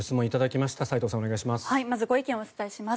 まず、ご意見をお伝えします。